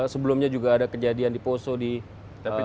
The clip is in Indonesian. sebelumnya juga ada kejadian di poso di tepid